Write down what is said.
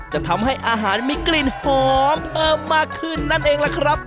จะทำให้อาหารมีกลิ่นหอมเพิ่มมากขึ้นนั่นเองล่ะครับ